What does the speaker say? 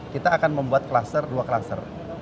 kita akan membuat kluster dua klaster